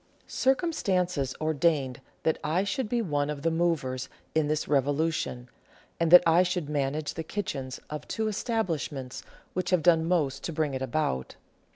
Circumstances ordained that I should be one of the movers in this revolution, and that I should manage the kitchens of two establishments which have done most to bring it about.